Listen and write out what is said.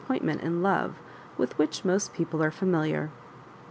pointment in love with which most people are familiar.